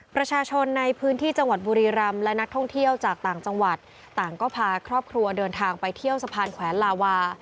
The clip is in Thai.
ประชาชนในพื้นที่จังหวัดบุรีรำและนักท่องเที่ยวจากต่างจังหวัดต่างก็พาครอบครัวเดินทางไปเที่ยวสะพานแขวนลาวา